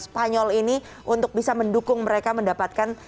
spanyol ini untuk bisa mendukung mereka mendapatkan